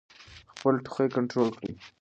خپل ټوخی کنټرول کړئ.